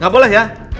gak boleh ya